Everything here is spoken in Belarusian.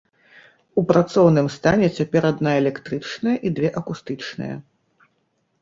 У працоўным стане цяпер адна электрычная і дзве акустычныя.